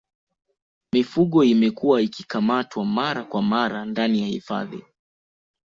mifugo imekuwa ikikamatwa mara kwa mara ndani ya hifadhi